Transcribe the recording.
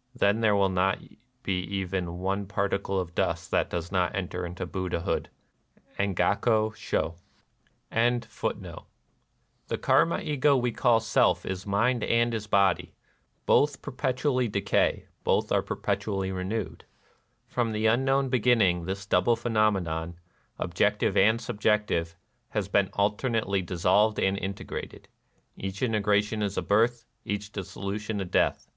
. then there will not be even one particle of dust that does not enter into Buddhahood." — Engaku Sho, NIRVANA 221 Tlie Karma Ego we call Self is mind and is body ;— both perpetually decay ; both are perpetually renewed. From the unknown be ginning, this double phenomenon, objective and subjective, has been alternately dissolved and integrated : each integration is a birth ; each dissolution a death.